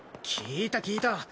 聞いた聞いた。